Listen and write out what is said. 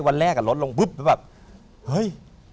เฮ้ย